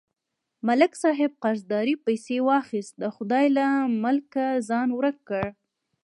ملک صاحب قرضدارۍ پسې واخیست، د خدای له ملکه یې ځان ورک کړ.